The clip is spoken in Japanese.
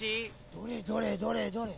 どれどれどれどれ？